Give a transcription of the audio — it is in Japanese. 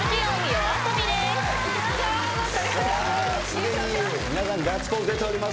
すでに皆さんガッツポーズ出ております。